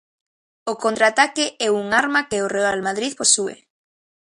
O contraataque é un arma que o Real Madrid posúe.